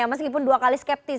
meskipun dua kali skeptis